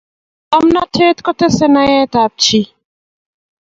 ngomnatet kotesei naet ap chii